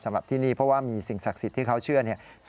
สำหรับที่นี่เพราะว่ามีสิ่งศักดิ์สิทธิ์ที่เขาเชื่อเนี่ย